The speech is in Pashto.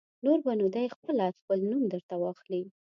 نور به نو دی خپله خپل نوم در ته واخلي.